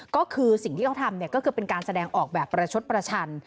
ก็คือสิ่งที่เขาทำก็คือเป็นการแสดงออกแบบประชดประชัน